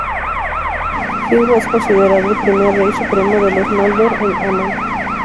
Finwë es considerado el primer Rey Supremo de los Noldor en Aman.